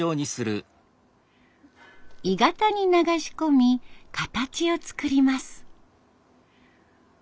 鋳型に流し込み形を作ります。